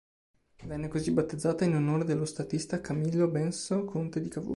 Venne così battezzata in onore dello statista Camillo Benso Conte di Cavour.